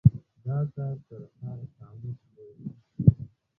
دا کار تر هر قاموس لوی دی.